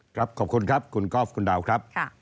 ขอบคุณครับคุณกอล์ฟคุณดาวครับ